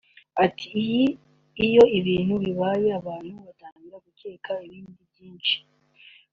Ati “Iyo ibintu bibaye abantu batangira gukeka ibindi byinshi